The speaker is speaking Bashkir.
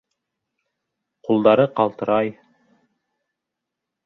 Ҡулдары ҡалтырай.